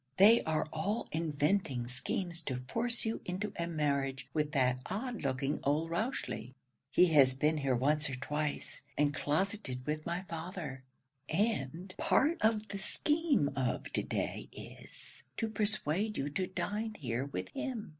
They are all inventing schemes to force you into a marriage with that odd looking old Rochely. He has been here once or twice, and closetted with my father; and part of the scheme of to day is, to persuade you to dine here with him.